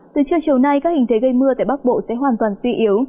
từ trưa chiều nay các hình thế gây mưa tại bắc bộ sẽ hoàn toàn suy yếu